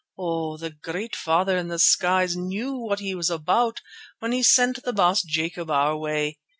Oh! the Great Father in the skies knew what He was about when He sent the Baas Jacob our way.